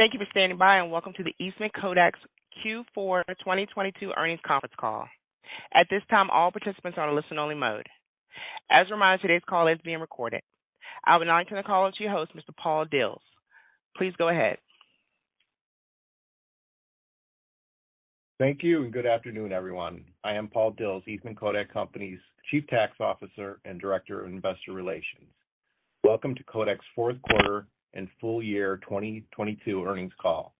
Thank you for standing by, welcome to the Eastman Kodak's Q4 2022 earnings conference call. At this time, all participants are in listen only mode. As a reminder, today's call is being recorded. I would now like turn the call over to your host, Mr. Paul Dils. Please go ahead. Thank you, and good afternoon, everyone. I am Paul Dils, Eastman Kodak Company's Chief Tax Officer and Director of Investor Relations. Welcome to Kodak's fourth quarter and full year 2022 earnings call.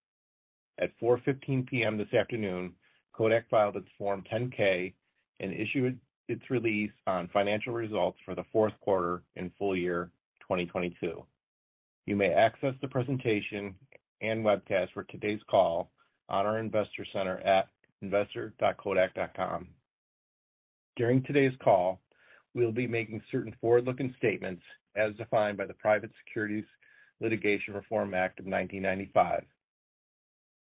At 4:15 P.M. this afternoon, Kodak filed its Form 10-K and issued its release on financial results for the fourth quarter and full year 2022. You may access the presentation and webcast for today's call on our investor center at investor.kodak.com. During today's call, we'll be making certain forward-looking statements as defined by the Private Securities Litigation Reform Act of 1995.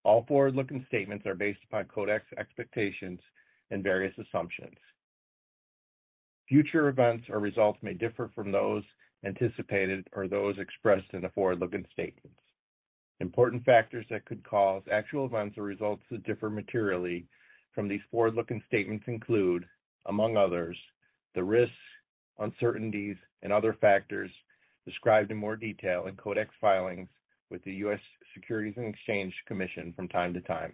All forward-looking statements are based upon Kodak's expectations and various assumptions. Future events or results may differ from those anticipated or those expressed in the forward-looking statements. Important factors that could cause actual events or results to differ materially from these forward-looking statements include, among others, the risks, uncertainties, and other factors described in more detail in Kodak's filings with the U.S. Securities and Exchange Commission from time to time.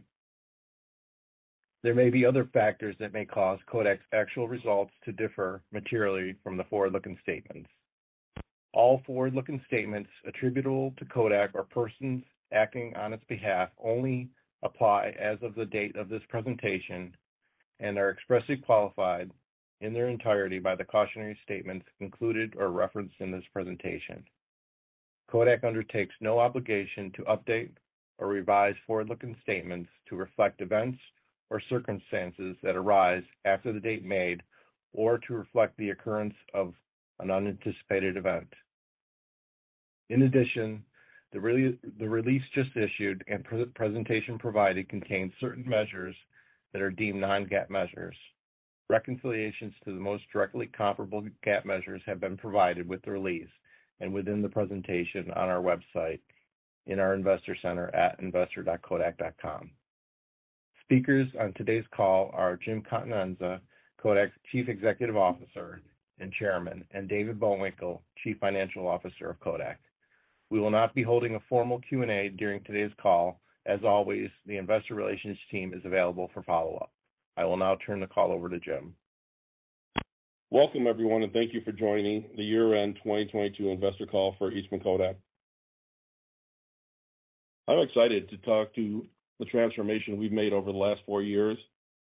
There may be other factors that may cause Kodak's actual results to differ materially from the forward-looking statements. All forward-looking statements attributable to Kodak or persons acting on its behalf only apply as of the date of this presentation and are expressly qualified in their entirety by the cautionary statements included or referenced in this presentation. Kodak undertakes no obligation to update or revise forward-looking statements to reflect events or circumstances that arise after the date made or to reflect the occurrence of an unanticipated event. In addition, the release just issued and pre-presentation provided contains certain measures that are deemed non-GAAP measures. Reconciliations to the most directly comparable GAAP measures have been provided with the release and within the presentation on our website in our investor center at investor.kodak.com. Speakers on today's call are Jim Continenza, Kodak's Chief Executive Officer and Chairman, and David Bullwinkle, Chief Financial Officer of Kodak. We will not be holding a formal Q&A during today's call. As always, the Investor Relations team is available for follow-up. I will now turn the call over to Jim. Welcome, everyone, thank you for joining the year-end 2022 investor call for Eastman Kodak. I'm excited to talk to the transformation we've made over the last four years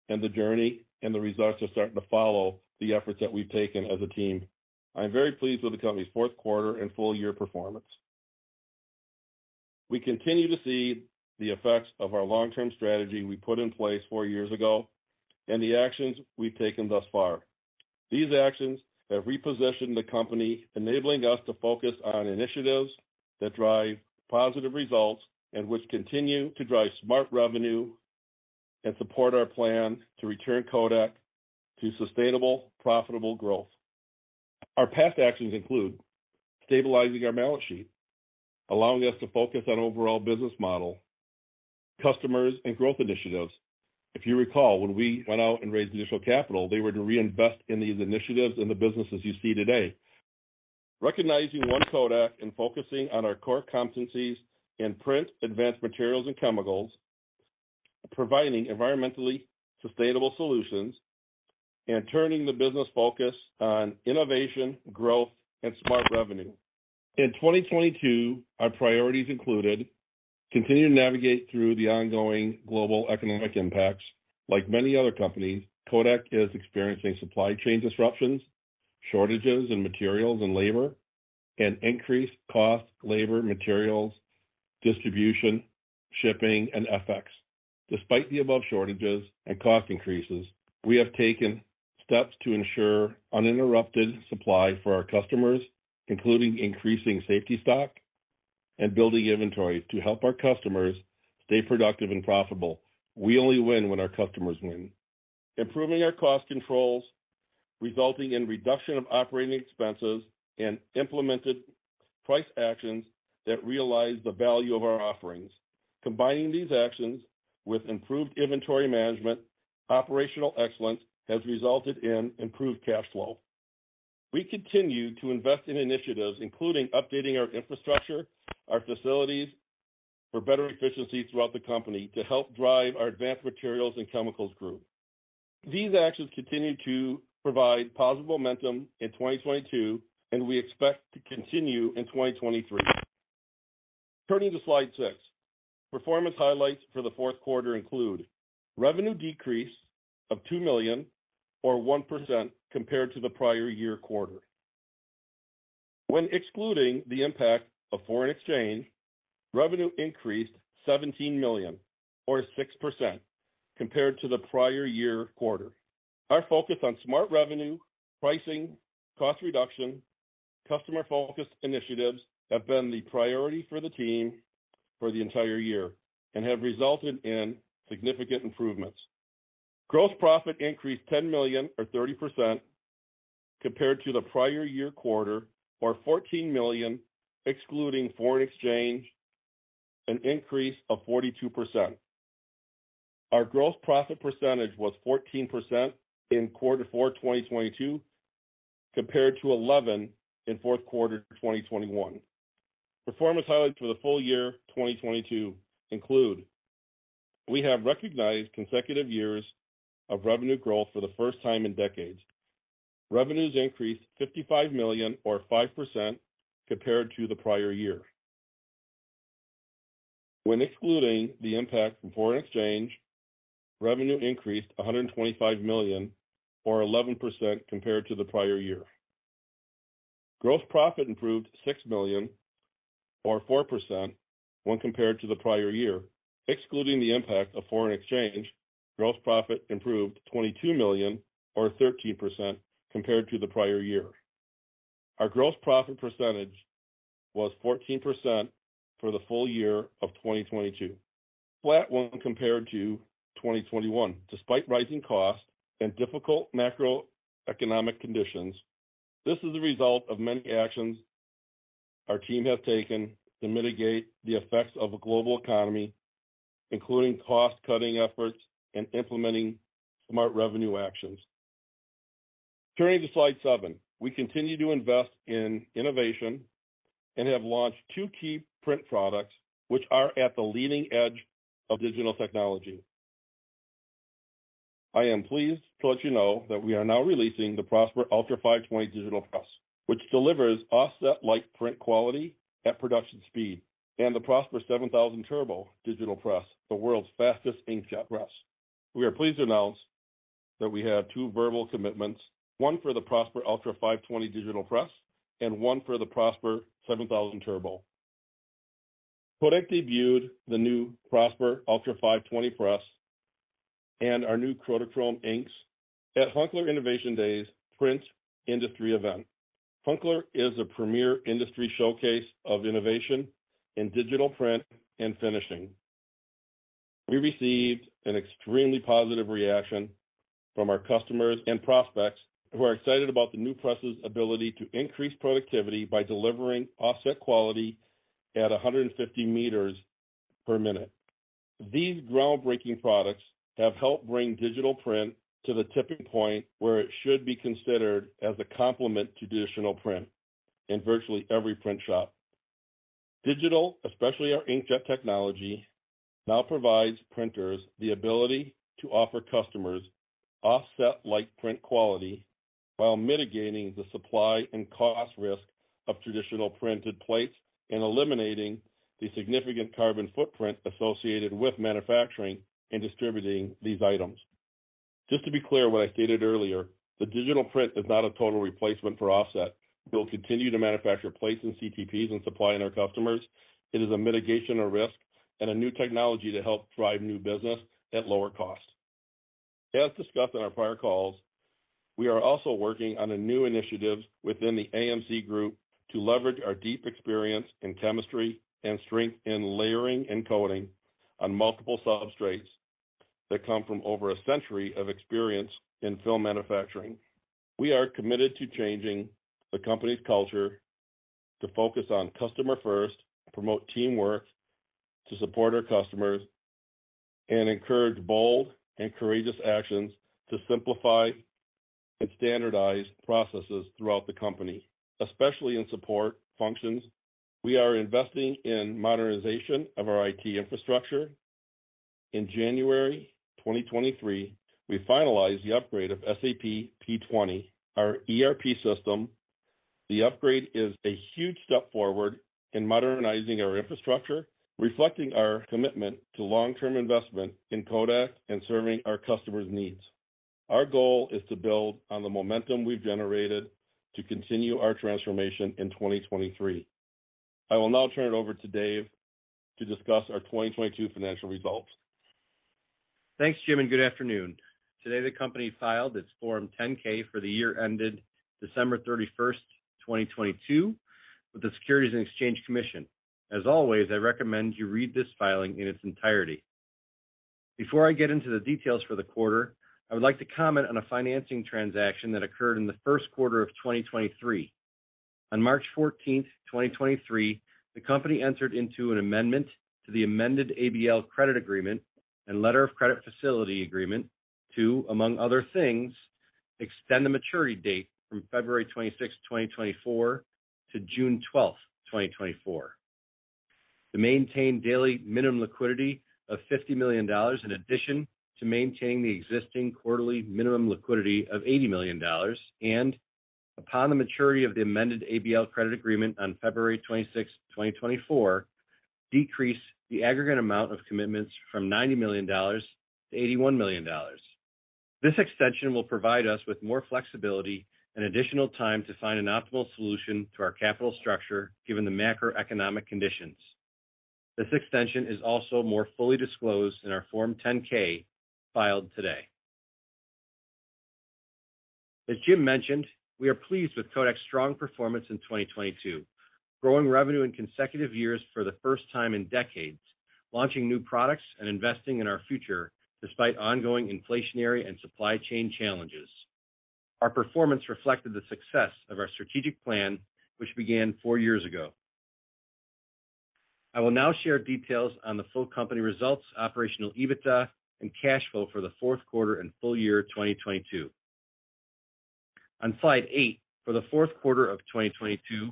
and the journey, the results are starting to follow the efforts that we've taken as a team. I'm very pleased with the company's fourth quarter and full year performance. We continue to see the effects of our long-term strategy we put in place four years ago and the actions we've taken thus far. These actions have repositioned the company, enabling us to focus on initiatives that drive positive results and which continue to drive smart revenue and support our plan to return Kodak to sustainable, profitable growth. Our past actions include stabilizing our balance sheet, allowing us to focus on overall business model, customers, and growth initiatives. If you recall, when we went out and raised initial capital, they were to reinvest in these initiatives in the business as you see today. Recognizing one Kodak and focusing on our core competencies in print, Advanced Materials & Chemicals, providing environmentally sustainable solutions, and turning the business focus on innovation, growth, and smart revenue. In 2022, our priorities included continuing to navigate through the ongoing global economic impacts. Like many other companies, Kodak is experiencing supply chain disruptions, shortages in materials and labor, and increased cost, labor, materials, distribution, shipping, and FX. Despite the above shortages and cost increases, we have taken steps to ensure uninterrupted supply for our customers, including increasing safety stock and building inventory to help our customers stay productive and profitable. We only win when our customers win. Improving our cost controls, resulting in reduction of operating expenses and implemented price actions that realize the value of our offerings. Combining these actions with improved inventory management, operational excellence has resulted in improved cash flow. We continue to invest in initiatives, including updating our infrastructure, our facilities for better efficiency throughout the company to help drive our Advanced Materials & Chemicals growth. These actions continue to provide positive momentum in 2022, and we expect to continue in 2023. Turning to slide six. Performance highlights for the fourth quarter include revenue decrease of $2 million or 1% compared to the prior year quarter. When excluding the impact of foreign exchange, revenue increased $17 million or 6% compared to the prior year quarter. Our focus on smart revenue, pricing, cost reduction, customer-focused initiatives have been the priority for the team for the entire year and have resulted in significant improvements. Gross profit increased $10 million or 30% compared to the prior year quarter, or $14 million, excluding foreign exchange, an increase of 42%. Our gross profit percentage was 14% in quarter four 2022, compared to 11% in fourth quarter 2021. Performance highlights for the full year 2022 include: We have recognized consecutive years of revenue growth for the first time in decades. Revenues increased $55 million or 5% compared to the prior year. When excluding the impact from foreign exchange, revenue increased $125 million or 11% compared to the prior year. Gross profit improved $6 million or 4% when compared to the prior year. Excluding the impact of foreign exchange, gross profit improved $22 million or 13% compared to the prior year. Our gross profit percentage was 14% for the full year of 2022, flat when compared to 2021. Despite rising costs and difficult macroeconomic conditions, this is the result of many actions our team have taken to mitigate the effects of a global economy, including cost-cutting efforts and implementing smart revenue actions. Turning to slide seven. We continue to invest in innovation and have launched two key print products which are at the leading edge of digital technology. I am pleased to let you know that we are now releasing the PROSPER ULTRA 520 Press, which delivers offset-like print quality at production speed, and the PROSPER 7000 Turbo Press, the world's fastest inkjet press. We are pleased to announce that we have two verbal commitments, one for the PROSPER ULTRA 520 digital press and one for the PROSPER 7000 Turbo. Kodak debuted the new PROSPER ULTRA 520 press and our new KODACHROME inks at Hunkeler Innovationdays print industry event. Hunkeler is a premier industry showcase of innovation in digital print and finishing. We received an extremely positive reaction from our customers and prospects who are excited about the new press' ability to increase productivity by delivering offset quality at 150 meters per minute. These groundbreaking products have helped bring digital print to the tipping point where it should be considered as a complement to traditional print in virtually every print shop. Digital, especially our inkjet technology, now provides printers the ability to offer customers offset-like print quality while mitigating the supply and cost risk of traditional printed plates and eliminating the significant carbon footprint associated with manufacturing and distributing these items. Just to be clear what I stated earlier, the digital print is not a total replacement for offset. We'll continue to manufacture plates and CTPs and supplying our customers. It is a mitigation of risk and a new technology to help drive new business at lower cost. As discussed on our prior calls, we are also working on new initiatives within the AMC group to leverage our deep experience in chemistry and strength in layering and coating on multiple substrates that come from over a century of experience in film manufacturing. We are committed to changing the company's culture to focus on customer first, promote teamwork to support our customers, and encourage bold and courageous actions to simplify and standardize processes throughout the company, especially in support functions. We are investing in modernization of our IT infrastructure. In January 2023, we finalized the upgrade of SAP SP20 our ERP system. The upgrade is a huge step forward in modernizing our infrastructure, reflecting our commitment to long-term investment in Kodak and serving our customers' needs. Our goal is to build on the momentum we've generated to continue our transformation in 2023. I will now turn it over to Dave to discuss our 2022 financial results. Thanks, Jim. Good afternoon. Today, the company filed its Form 10-K for the year ended December 31st, 2022 with the Securities and Exchange Commission. As always, I recommend you read this filing in its entirety. Before I get into the details for the quarter, I would like to comment on a financing transaction that occurred in the first quarter of 2023. On March 14th, 2023, the company entered into an amendment to the amended ABL Credit Agreement and Letter of Credit Facility Agreement to, among other things, extend the maturity date from February 26th, 2024 to June 12th, 2024. To maintain daily minimum liquidity of $50 million in addition to maintaining the existing quarterly minimum liquidity of $80 million and upon the maturity of the amended ABL Credit Agreement on February 26, 2024, decrease the aggregate amount of commitments from $90 million- $81 million. This extension will provide us with more flexibility and additional time to find an optimal solution to our capital structure given the macroeconomic conditions. This extension is also more fully disclosed in our Form 10-K filed today. As Jim mentioned, we are pleased with Kodak's strong performance in 2022. Growing revenue in consecutive years for the first time in decades, launching new products, and investing in our future despite ongoing inflationary and supply chain challenges. Our performance reflected the success of our strategic plan, which began four years ago. I will now share details on the full company results, Operational EBITDA, and cash flow for the fourth quarter and full year 2022. On slide eight, for the fourth quarter of 2022,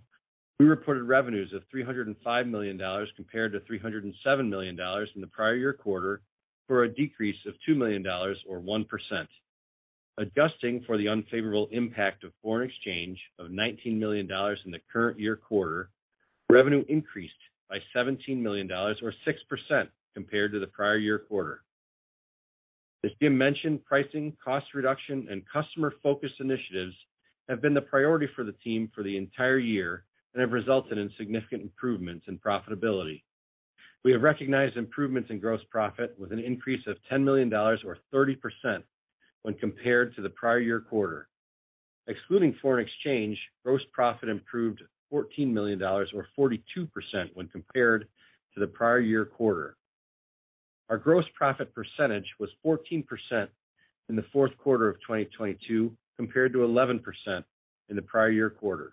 we reported revenues of $305 million compared to $307 million in the prior year quarter, for a decrease of $2 million or 1%. Adjusting for the unfavorable impact of foreign exchange of $19 million in the current year quarter, revenue increased by $17 million or 6% compared to the prior year quarter. As Jim mentioned, pricing, cost reduction, and customer focus initiatives have been the priority for the team for the entire year and have resulted in significant improvements in profitability. We have recognized improvements in gross profit with an increase of $10 million or 30% when compared to the prior year quarter. Excluding foreign exchange, gross profit improved $14 million or 42% when compared to the prior year quarter. Our gross profit percentage was 14% in the fourth quarter of 2022, compared to 11% in the prior year quarter.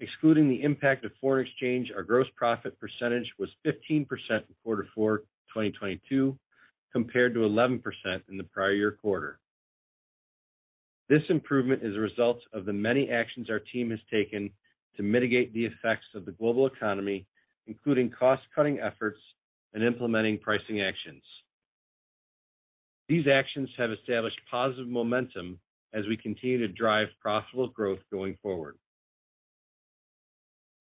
Excluding the impact of foreign exchange, our gross profit percentage was 15% in quarter four, 2022, compared to 11% in the prior year quarter. This improvement is a result of the many actions our team has taken to mitigate the effects of the global economy, including cost-cutting efforts and implementing pricing actions. These actions have established positive momentum as we continue to drive profitable growth going forward.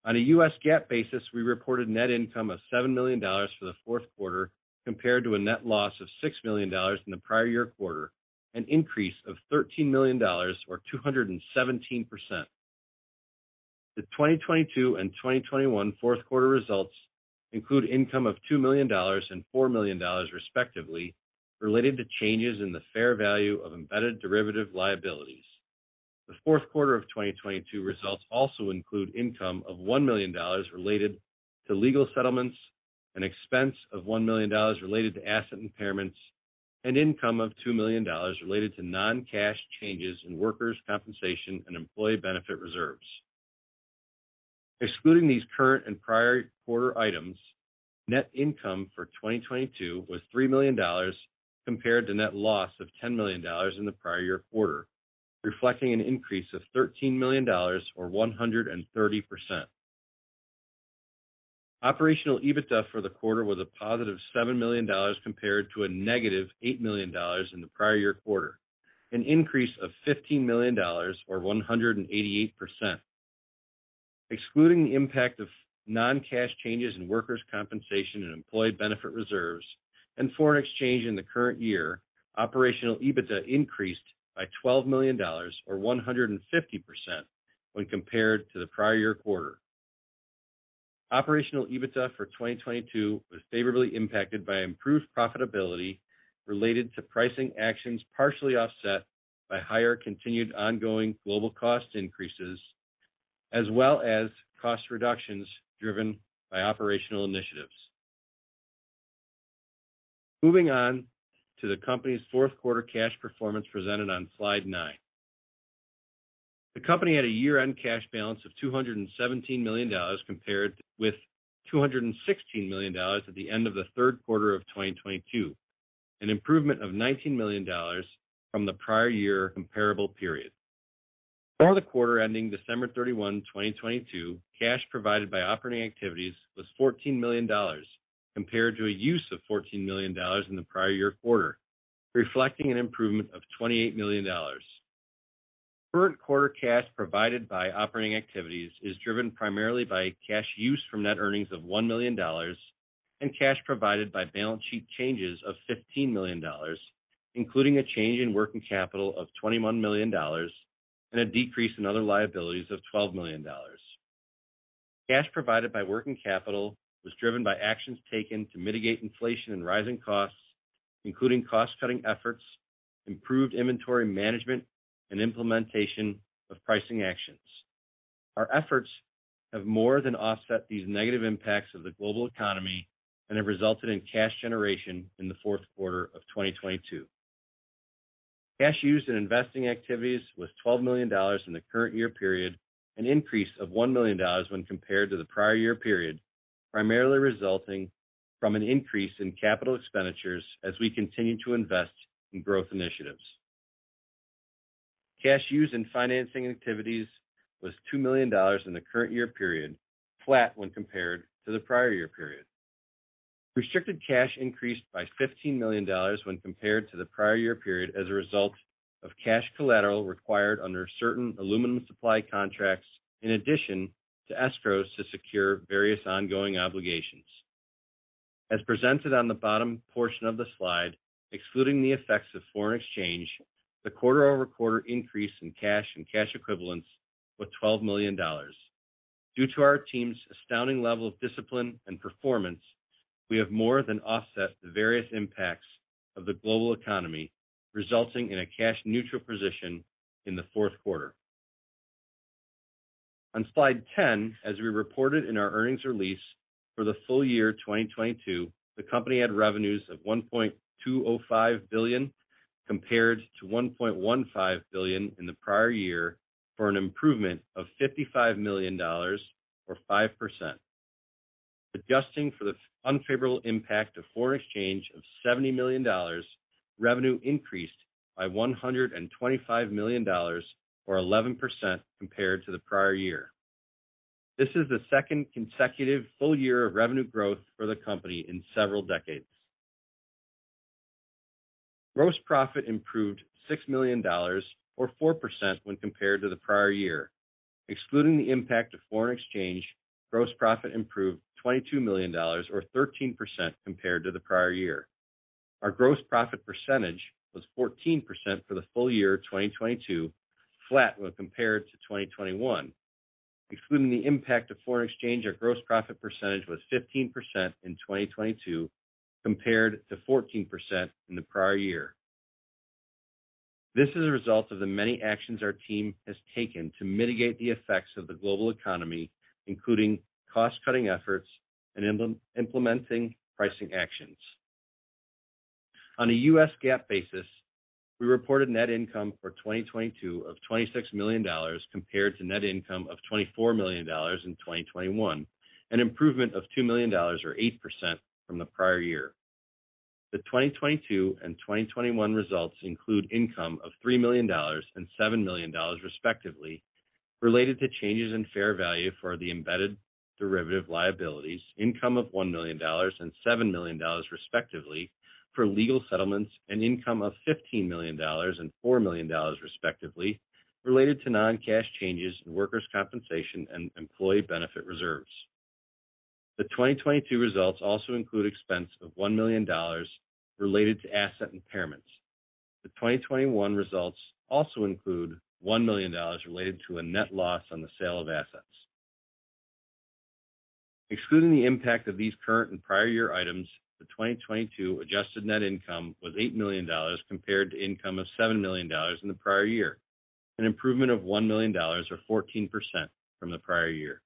On a U.S. GAAP basis, we reported net income of $7 million for the fourth quarter, compared to a net loss of $6 million in the prior year quarter, an increase of $13 million or 217%. The 2022 and 2021 fourth quarter results include income of $2 million and $4 million respectively, related to changes in the fair value of embedded derivative liabilities. The fourth quarter of 2022 results also include income of $1 million related to legal settlements, an expense of $1 million related to asset impairments, an income of $2 million related to non-cash changes in workers' compensation and employee benefit reserves. Excluding these current and prior quarter items, net income for 2022 was $3 million compared to net loss of $10 million in the prior year quarter, reflecting an increase of $13 million or 130%. Operational EBITDA for the quarter was a positive $7 million compared to a negative $8 million in the prior year quarter, an increase of $15 million or 188%. Excluding the impact of non-cash changes in workers' compensation and employee benefit reserves and foreign exchange in the current year, Operational EBITDA increased by $12 million or 150% when compared to the prior year quarter. Operational EBITDA for 2022 was favorably impacted by improved profitability related to pricing actions, partially offset by higher continued ongoing global cost increases, as well as cost reductions driven by operational initiatives. Moving on to the company's fourth quarter cash performance presented on slide nine. The company had a year-end cash balance of $217 million, compared with $216 million at the end of the third quarter of 2022, an improvement of $19 million from the prior year comparable period. For the quarter ending December 31, 2022, cash provided by operating activities was $14 million, compared to a use of $14 million in the prior year quarter, reflecting an improvement of $28 million. Current quarter cash provided by operating activities is driven primarily by cash use from net earnings of $1 million and cash provided by balance sheet changes of $15 million, including a change in working capital of $21 million and a decrease in other liabilities of $12 million. Cash provided by working capital was driven by actions taken to mitigate inflation and rising costs, including cost-cutting efforts, improved inventory management, and implementation of pricing actions. Our efforts have more than offset these negative impacts of the global economy and have resulted in cash generation in the fourth quarter of 2022. Cash used in investing activities was $12 million in the current year period, an increase of $1 million when compared to the prior year period, primarily resulting from an increase in capital expenditures as we continue to invest in growth initiatives. Cash used in financing activities was $2 million in the current year period, flat when compared to the prior year period. Restricted cash increased by $15 million when compared to the prior-year period as a result of cash collateral required under certain aluminum supply contracts, in addition to escrows to secure various ongoing obligations. As presented on the bottom portion of the slide, excluding the effects of foreign exchange, the quarter-over-quarter increase in cash and cash equivalents was $12 million. Due to our team's astounding level of discipline and performance. We have more than offset the various impacts of the global economy, resulting in a cash neutral position in the fourth quarter. On slide 10, as we reported in our earnings release, for the full year 2022, the company had revenues of $1.205 billion compared to $1.15 billion in the prior year, for an improvement of $55 million, or 5%. Adjusting for the unfavorable impact of foreign exchange of $70 million, revenue increased by $125 million, or 11% compared to the prior year. This is the second consecutive full year of revenue growth for the company in several decades. Gross profit improved $6 million or 4% when compared to the prior year. Excluding the impact of foreign exchange, gross profit improved $22 million or 13% compared to the prior year. Our gross profit percentage was 14% for the full year 2022, flat when compared to 2021. Excluding the impact of foreign exchange, our gross profit percentage was 15% in 2022 compared to 14% in the prior year. This is a result of the many actions our team has taken to mitigate the effects of the global economy, including cost-cutting efforts and implementing pricing actions. On a U.S. GAAP basis, we reported net income for 2022 of $26 million compared to net income of $24 million in 2021, an improvement of $2 million or 8% from the prior year. The 2022 and 2021 results include income of $3 million and $7 million, respectively, related to changes in fair value for the embedded derivative liabilities, income of $1 million and $7 million, respectively, for legal settlements and income of $15 million and $4 million, respectively, related to non-cash changes in workers' compensation and employee benefit reserves. The 2022 results also include expense of $1 million related to asset impairments. The 2021 results also include $1 million related to a net loss on the sale of assets. Excluding the impact of these current and prior year items, the 2022 adjusted net income was $8 million compared to income of $7 million in the prior year, an improvement of $1 million or 14% from the prior year.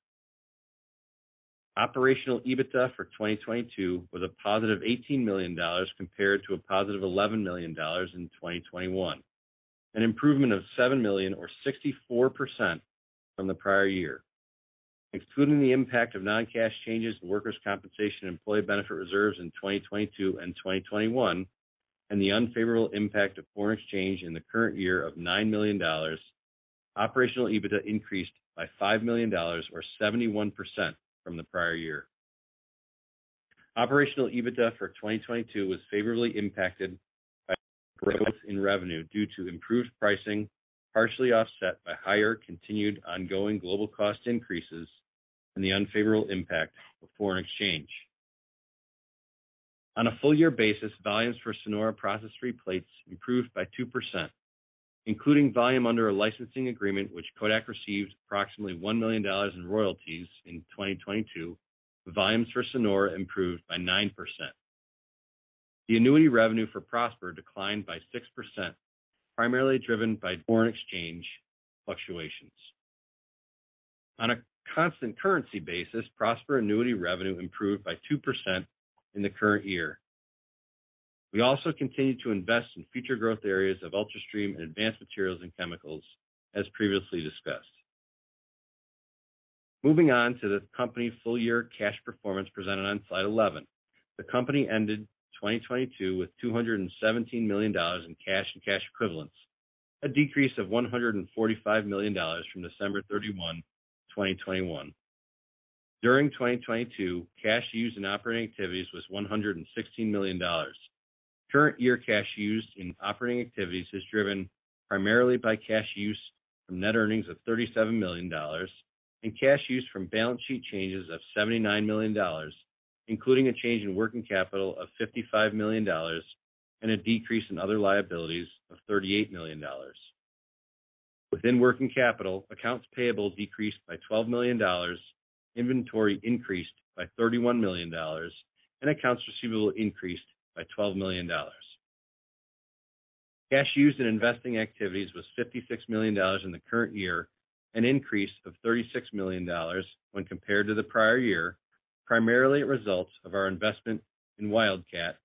Operational EBITDA for 2022 was a positive $18 million compared to a positive $11 million in 2021, an improvement of $7 million or 64% from the prior year. Excluding the impact of non-cash changes in workers' compensation and employee benefit reserves in 2022 and 2021, and the unfavorable impact of foreign exchange in the current year of $9 million, Operational EBITDA increased by $5 million or 71% from the prior year. Operational EBITDA for 2022 was favorably impacted by growth in revenue due to improved pricing, partially offset by higher continued ongoing global cost increases and the unfavorable impact of foreign exchange. On a full year basis, volumes for SONORA Process Free Plates improved by 2%, including volume under a licensing agreement which Kodak received approximately $1 million in royalties in 2022, the volumes for SONORA improved by 9%. The annuity revenue for PROSPER declined by 6%, primarily driven by foreign exchange fluctuations. On a constant currency basis, PROSPER annuity revenue improved by 2% in the current year. We also continued to invest in future growth areas of ULTRASTREAM and Advanced Materials & Chemicals as previously discussed. Moving on to the company full year cash performance presented on slide 11. The company ended 2022 with $217 million in cash and cash equivalents, a decrease of $145 million from December 31, 2021. During 2022, cash used in operating activities was $116 million. Current year cash used in operating activities is driven primarily by cash use from net earnings of $37 million and cash use from balance sheet changes of $79 million, including a change in working capital of $55 million and a decrease in other liabilities of $38 million. Within working capital, accounts payable decreased by $12 million, inventory increased by $31 million, and accounts receivable increased by $12 million. Cash used in investing activities was $56 million in the current year, an increase of $36 million when compared to the prior year, primarily a result of our investment in Wildcat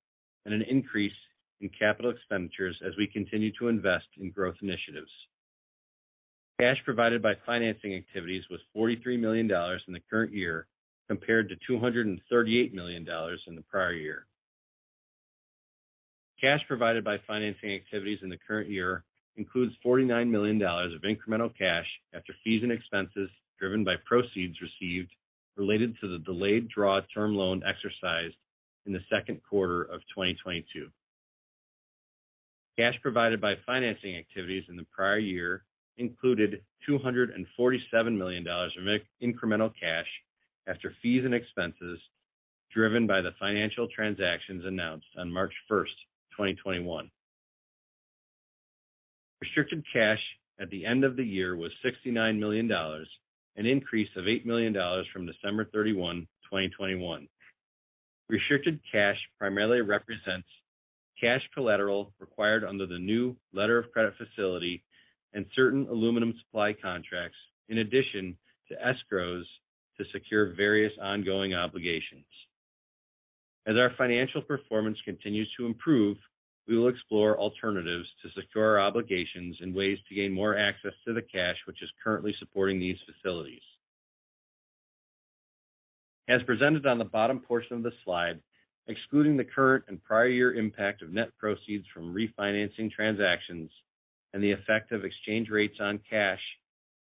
and an increase in capital expenditures as we continue to invest in growth initiatives. Cash provided by financing activities was $43 million in the current year compared to $238 million in the prior year. Cash provided by financing activities in the current year includes $49 million of incremental cash after fees and expenses driven by proceeds received related to the delayed draw term loan exercised in the second quarter of 2022. Cash provided by financing activities in the prior year included $247 million of incremental cash after fees and expenses driven by the financial transactions announced on March 1st, 2021. Restricted cash at the end of the year was $69 million, an increase of $8 million from December 31, 2021. Restricted cash primarily represents cash collateral required under the new Letter of Credit Facility and certain aluminum supply contracts, in addition to escrows to secure various ongoing obligations. As our financial performance continues to improve, we will explore alternatives to secure our obligations and ways to gain more access to the cash which is currently supporting these facilities. As presented on the bottom portion of the slide, excluding the current and prior year impact of net proceeds from refinancing transactions and the effect of exchange rates on cash,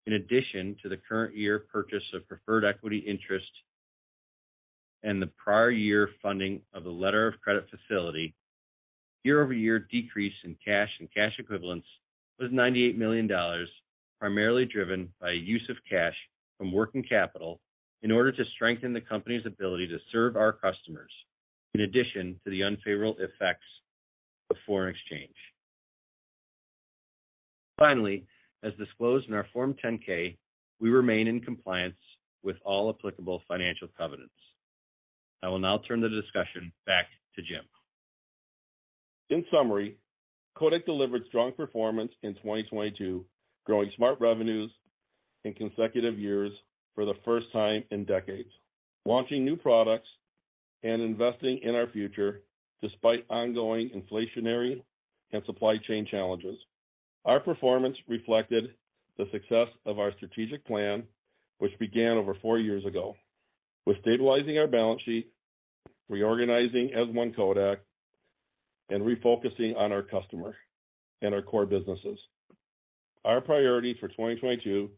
in addition to the current year purchase of preferred equity interest and the prior year funding of the Letter of Credit Facility, year-over-year decrease in cash and cash equivalents was $98 million, primarily driven by use of cash from working capital in order to strengthen the company's ability to serve our customers, in addition to the unfavorable effects of foreign exchange. Finally, as disclosed in our Form 10-K, we remain in compliance with all applicable financial covenants. I will now turn the discussion back to Jim. In summary, Kodak delivered strong performance in 2022, growing smart revenues in consecutive years for the first time in decades, launching new products and investing in our future despite ongoing inflationary and supply chain challenges. Our performance reflected the success of our strategic plan, which began over four years ago with stabilizing our balance sheet, reorganizing as one Kodak, and refocusing on our customer and our core businesses. Our priorities for 2022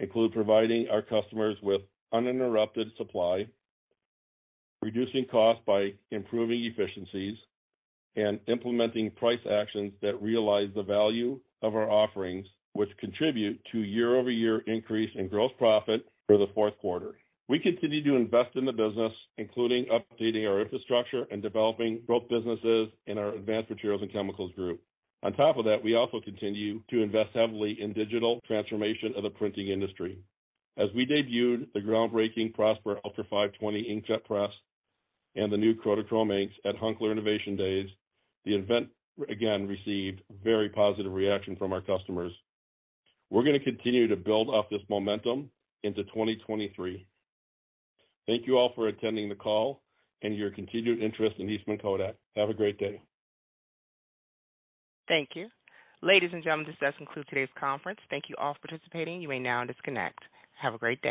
include providing our customers with uninterrupted supply, reducing costs by improving efficiencies, and implementing price actions that realize the value of our offerings, which contribute to year-over-year increase in gross profit for the fourth quarter. We continue to invest in the business, including updating our infrastructure and developing growth businesses in our Advanced Materials & Chemicals Group. On top of that, we also continue to invest heavily in digital transformation of the printing industry. We debuted the groundbreaking PROSPER ULTRA 520 inkjet press and the new KODACHROME inks at Hunkeler Innovationdays, the event again received very positive reaction from our customers. We're gonna continue to build off this momentum into 2023. Thank you all for attending the call and your continued interest in Eastman Kodak. Have a great day. Thank you. Ladies and gentlemen, this does conclude today's conference. Thank you all for participating. You may now disconnect. Have a great day.